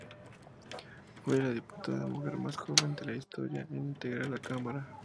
Fue la diputada mujer más joven de la historia en integrar la cámara.